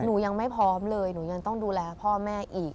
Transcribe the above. หนูยังไม่พร้อมเลยหนูยังต้องดูแลพ่อแม่อีก